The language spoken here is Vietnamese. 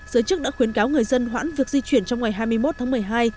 giới chức đã khuyến cáo người dân hoãn việc di chuyển trong ngày hai mươi một tháng một mươi hai